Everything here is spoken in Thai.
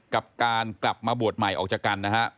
กับการกลับมาบวชใหม่ออกจากกันนะฮะ